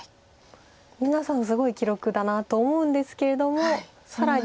皆さんすごい記録だなと思うんですけれども更に。